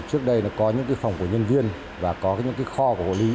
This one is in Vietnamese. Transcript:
trước đây nó có những cái phòng của nhân viên và có những cái kho của hộ lý